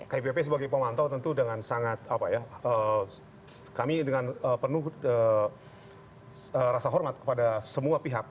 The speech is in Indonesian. kipp sebagai pemantau tentu dengan sangat apa ya kami dengan penuh rasa hormat kepada semua pihak